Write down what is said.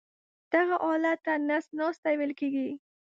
دغه حالت ته نس ناستی ویل کېږي.